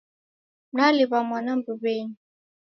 Naliw'a mwana mbuw'enyi